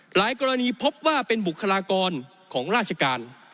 หลายกรณีพบว่าเป็นบุคลากรของราชการ